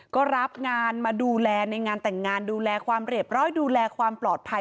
ก็รับงานมาดูแลในงานแต่งงานดูแลความเรียบร้อยดูแลความปลอดภัย